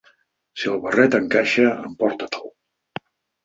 Si el barret encaixa, emportate"l.